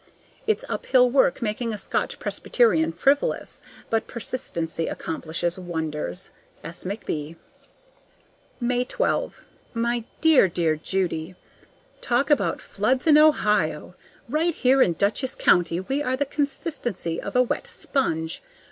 It's uphill work making a Scotch Presbyterian frivolous, but persistency accomplishes wonders. S. McB. May 12. My dear, dear Judy: Talk about floods in Ohio! Right here in Dutchess County we are the consistency of a wet sponge.